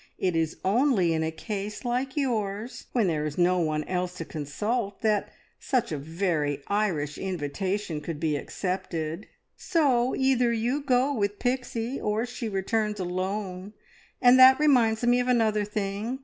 It is only in a case like yours, when there is no one else to consult, that such a very Irish invitation could be accepted; so either you go with Pixie, or she returns alone. And that reminds me of another thing.